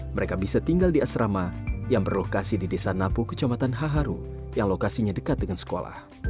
mereka bisa tinggal di asrama yang berlokasi di desa napu kecamatan haharu yang lokasinya dekat dengan sekolah